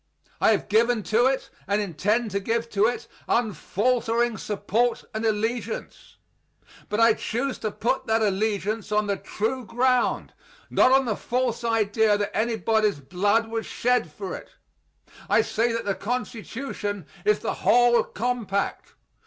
I have given to it, and intend to give to it, unfaltering support and allegiance, but I choose to put that allegiance on the true ground, not on the false idea that anybody's blood was shed for it. I say that the Constitution is the whole compact.